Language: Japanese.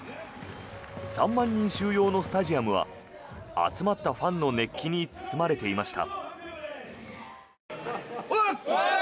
３万人収容のスタジアムは集まったファンの熱気に包まれていました。